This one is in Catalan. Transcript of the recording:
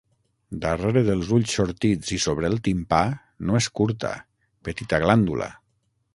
Darrere dels ulls sortits i sobre el timpà, no és curta, petita glàndula.